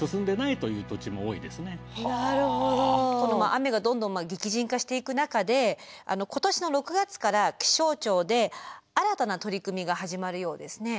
雨がどんどん激甚化していく中で今年の６月から気象庁で新たな取り組みが始まるようですね。